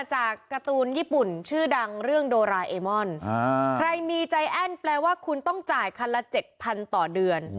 จากการ์ตูนญี่ปุ่นชื่อดังเรื่องโดราเอมอนใครมีใจแอ้นแปลว่าคุณต้องจ่ายคันละเจ็ดพันต่อเดือน